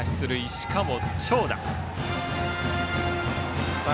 しかも長打。